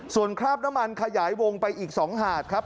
ส่วนคราบน้ำมันขยายวงไปอีก๒หาดครับ